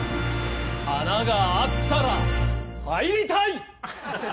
穴があったら入りたい！